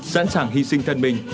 sẵn sàng hy sinh thân mình